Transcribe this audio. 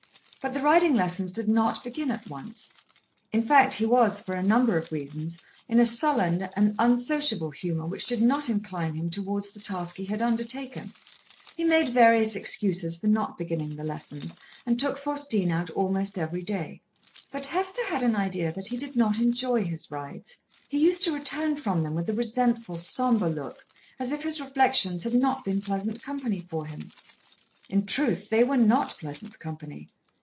But the riding lessons did not begin at once. In fact he was, for a number of reasons, in a sullen and unsociable humour which did not incline him towards the task he had undertaken. He made various excuses for not beginning the lessons, and took Faustine out almost every day. But Hester had an idea that he did not enjoy his rides. He used to return from them with a resentful, sombre look, as if his reflections had not been pleasant company for him. In truth they were not pleasant company.